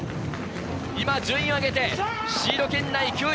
今、順位を上げてシード圏内９位。